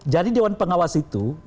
jadi dewan pengawas itu berada di dalam